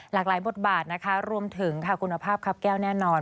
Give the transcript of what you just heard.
หลากหลายบทบาทนะคะรวมถึงค่ะคุณภาพครับแก้วแน่นอน